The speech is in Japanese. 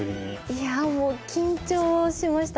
いやあもう緊張しました。